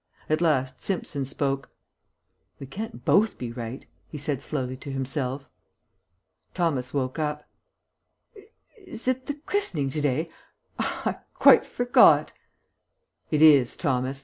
At last Simpson spoke. "We can't both be right," he said slowly to himself. Thomas woke up. "Is it the christening to day? I quite forgot." "It is, Thomas.